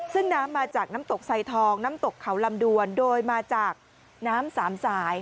ซึ่งน้ำมาจากน้ำตกไซทองน้ำตกเขาลำดวนโดยมาจากน้ำสามสาย